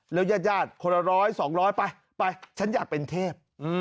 แล้วยาดคนละร้อยสองร้อยไปไปฉันอยากเป็นเทพ